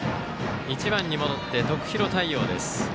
１番に戻って徳弘太陽です。